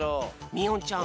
みおんちゃん